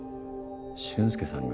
俊介さんが？